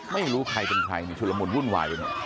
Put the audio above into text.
ไม่รู้ใครเป็นใครชุดละมุนวุ่นวายไปเนี่ย